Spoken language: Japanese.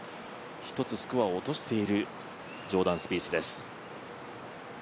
１つスコアを落としているジョーダン・スピースです。